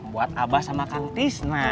buat abah sama kang tis nak